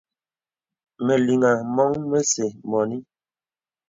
Məlìŋà mɔ̄ŋ məsə mɔ̄nì.